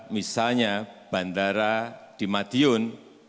misalnya bandara di madiun